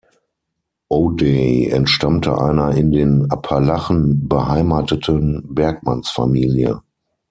O'Day entstammte einer in den Appalachen beheimateten Bergmannsfamilie.